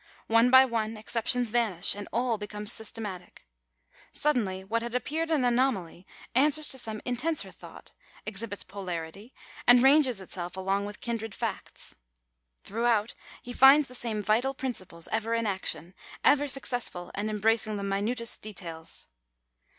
One by one excep tions vanish, and all becomes systematic. Suddenly what had appeared an anomaly answers to some intenser thought, ex hibits polarity, and ranges itself along with kindred facts. Throughout he finds the same vital principles, ever in action, ever successful, and embracing the minutest details.